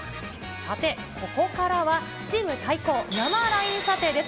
さて、ここからはチーム対抗生ＬＩＮＥ査定です。